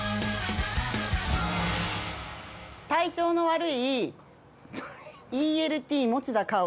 体調の悪いＥＬＴ持田香織。